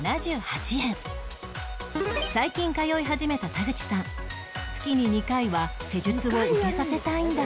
最近通い始めた田口さん月に２回は施術を受けさせたいんだそう